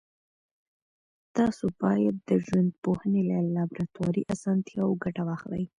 تاسو باید د ژوندپوهنې له لابراتواري اسانتیاوو ګټه واخلئ.